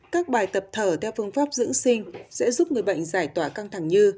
các bài tập thở theo phương pháp dưỡng sinh sẽ giúp người bệnh giải tỏa căng thẳng như